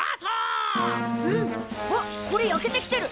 あっこれ焼けてきてる。